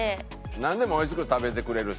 「なんでもおいしく食べてくれる人」